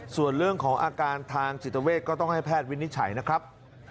ส่วนเรื่องของอาการทางจิตเวทก็ต้องให้แพทย์วินิจฉัยนะครับ